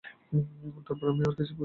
তারপর আমি আর কিছু বুঝিসুঝি না।